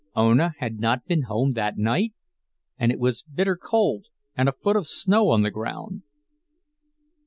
Ona had not been home that night! And it was bitter cold, and a foot of snow on the ground.